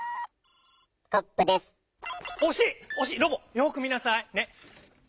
よく見なさい。ね。